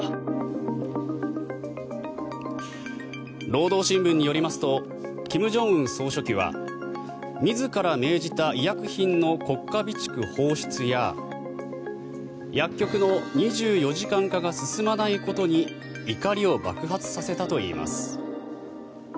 労働新聞によりますと金正恩総書記は自ら命じた医薬品の国家備蓄放出や薬局の２４時間化が進まないことに怒りを爆発させたといいます。